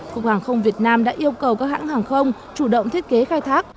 cục hàng không việt nam đã yêu cầu các hãng hàng không chủ động thiết kế khai thác